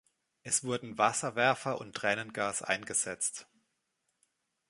Es wurden Wasserwerfer und Tränengas eingesetzt.